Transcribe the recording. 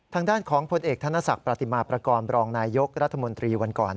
ทางด้านของผลเอกธนศักดิ์ประติมาประกอบรองนายยกรัฐมนตรีวันก่อน